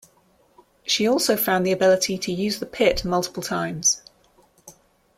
She also found the ability to use the pit multiple times.